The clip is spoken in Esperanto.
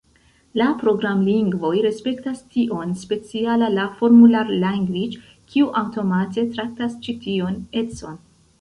La programlingvoj respektas tion, speciala la "Formula language", kiu aŭtomate traktas ĉi tion econ.